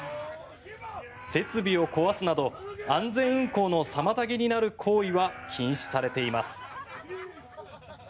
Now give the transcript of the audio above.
設備を壊すなど安全運行の妨げになる行為は禁止されています。